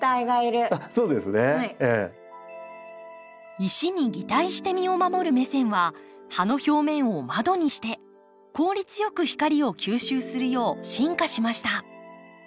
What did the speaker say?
石に擬態して身を守るメセンは葉の表面を窓にして効率よく光を吸収するよう進化しました。